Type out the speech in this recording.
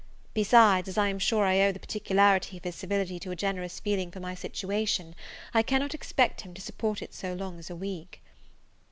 Besides, as I am sure I owe the particularity of his civility to a generous feeling for my situation, I cannot expect him to support it so long as a week.